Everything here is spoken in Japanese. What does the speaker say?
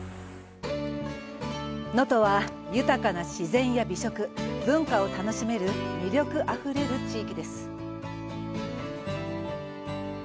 能登は、豊かな自然や美食文化を楽しめる魅力あふれる地域です。